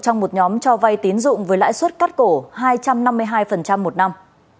trong một nhóm cho vay tín dụng với lãi suất cắt cổ hai trăm năm mươi hai một năm